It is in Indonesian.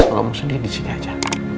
kalau mau sedih disini aja